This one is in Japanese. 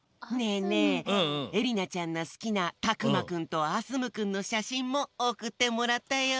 ええりなちゃんの好きなタクマくんとアスムくんのしゃしんもおくってもらったよ！